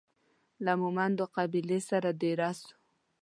له مومندو قبیلې سره دېره سو.